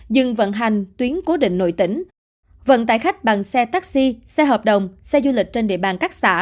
dừng vận hành tuyến cố định nội tỉnh vận tải khách bằng xe taxi xe hợp đồng xe du lịch trên địa bàn các xã